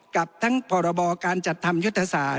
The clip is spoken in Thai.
กับทั้งพรบการจัดทำยุทธศาสต